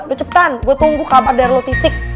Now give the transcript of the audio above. udah cepetan gue tunggu kabar dari lo titik